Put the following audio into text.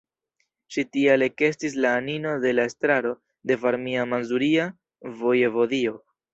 Ŝi tial ekestis la anino de la Estraro de Varmia-Mazuria Vojevodio.